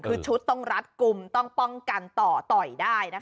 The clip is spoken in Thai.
คือชุดต้องรัดกลุ่มต้องป้องกันต่อต่อยได้นะคะ